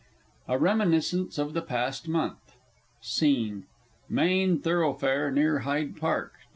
(A Reminiscence of the Past Month.) SCENE _Main thoroughfare near Hyde Park.